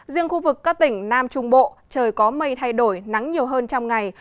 riêng khu vực các tỉnh nam trung bộ trời có mây thay đổi nắng nhiều hơn trong ngày